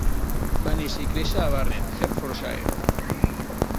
Va néixer i créixer a Barnet, Hertfordshire.